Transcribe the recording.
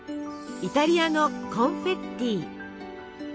イタリアのコンフェッティ。